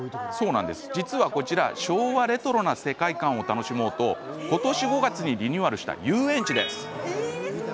実は、こちら昭和レトロな世界観を楽しもうとことし５月にリニューアルした遊園地。